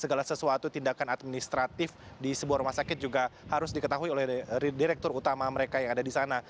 segala sesuatu tindakan administratif di sebuah rumah sakit juga harus diketahui oleh direktur utama mereka yang ada di sana